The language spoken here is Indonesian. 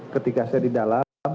ketika saya di dalam